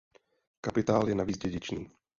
Kapitál je navíc dědičný.